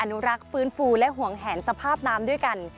นุรักษ์ฟื้นฟูและห่วงแหนสภาพน้ำด้วยกัน